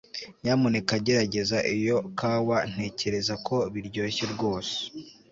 Nyamuneka gerageza iyo kawa Ntekereza ko biryoshye rwose